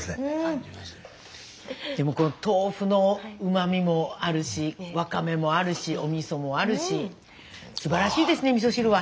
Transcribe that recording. でも豆腐のうま味もあるしわかめもあるしおみそもあるしすばらしいですねみそ汁は。